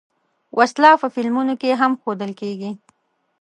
وسله په فلمونو کې هم ښودل کېږي